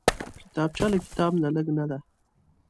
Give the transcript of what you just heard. کتابچه له کتاب نه لږ نه ده